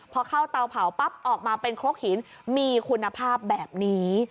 พอเข้าเตาเผาปั๊บออกมาเป็นครกหินมีคุณภาพแบบนี้